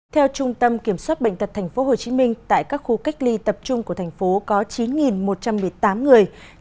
theo trung tâm kiểm soát bệnh tật tp hcm tại các khu cách ly tập trung của thành phố có chín một trăm một mươi tám người